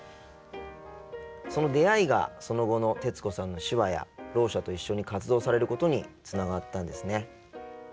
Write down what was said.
その出会いがその後の徹子さんの手話やろう者と一緒に活動されることにつながったんですね。